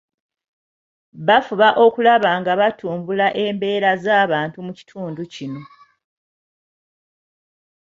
Bafuba okulaba nga batumbula embeera z’abantu mu kitundu kino.